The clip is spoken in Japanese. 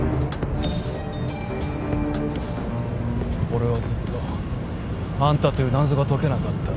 俺はずっとあんたという謎が解けなかった。